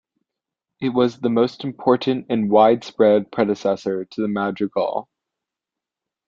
It was the most important and widespread predecessor to the madrigal.